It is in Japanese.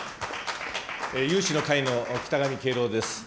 有志の会の北神圭朗です。